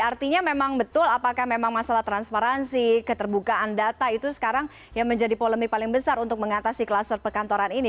artinya memang betul apakah memang masalah transparansi keterbukaan data itu sekarang yang menjadi polemik paling besar untuk mengatasi kluster perkantoran ini